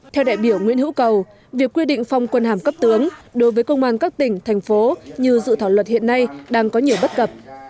theo đại biểu nguyễn hữu cầu việc quy định phong quân hàm cấp tướng đối với công an các tỉnh thành phố như dự thảo luật hiện nay đang có nhiều bất cập